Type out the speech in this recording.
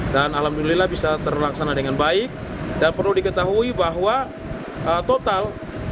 dan alhamdulillah bisa terlaksana dengan baik dan perlu diketahui bahwa total